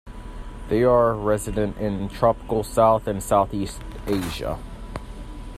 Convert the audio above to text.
They are resident in tropical South and Southeast Asia.